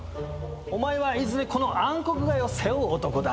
お前はいずれこの暗黒街を背負う男だ。